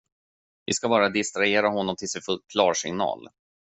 Vi ska bara distrahera honom tills vi får klarsignal.